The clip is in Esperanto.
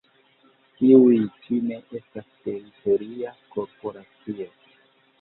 Tiuj ĉi ne estas teritoria korporacio.